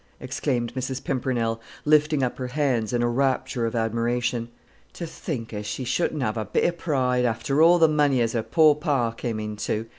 exclaimed Mrs. Pimpernel, lifting up her hands in a rapture of admiration. "To think as she shouldn't have a bit of pride, after all the money as her pore par come into!